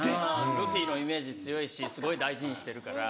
ルフィのイメージ強いしすごい大事にしてるから。